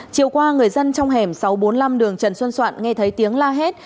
chiều qua người dân trong hẻm sáu trăm bốn mươi năm đường trần xuân soạn nghe thấy tiếng la hét